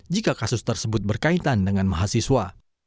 jika kasus tersebut berkaitan dengan mahasiswa